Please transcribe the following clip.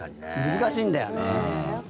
難しいんだよね。